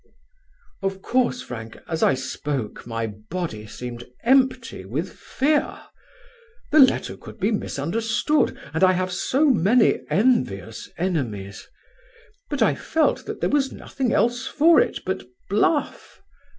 "Of course, Frank, as I spoke my body seemed empty with fear. The letter could be misunderstood, and I have so many envious enemies; but I felt that there was nothing else for it but bluff.